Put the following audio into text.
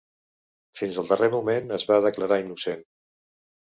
Fins al darrer moment es va declarar innocent.